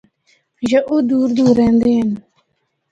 یا او دور دور رہندے ہن۔